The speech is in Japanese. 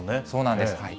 そうなんです。